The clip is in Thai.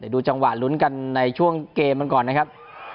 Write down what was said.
ดูจังหวะลุ้นกันในช่วงเกมกันก่อนนะครับ